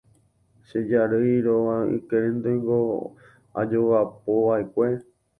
Che jarýi róga ykérenteko ajogapova'ekue.